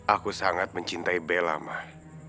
aku sangat mencintai bella mah